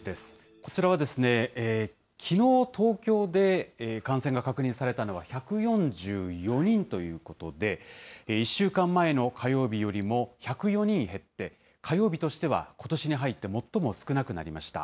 こちらはきのう東京で感染が確認されたのは、１４４人ということで、１週間前の火曜日よりも１０４人減って、火曜日としてはことしに入って最も少なくなりました。